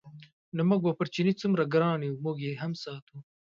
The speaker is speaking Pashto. نو موږ به پر چیني څومره ګران یو موږ یې هم ساتو.